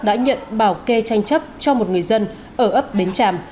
đã nhận bảo kê tranh chấp cho một người dân ở ấp bến tràm